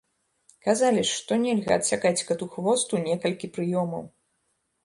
Казалі ж, што нельга адсякаць кату хвост у некалькі прыёмаў.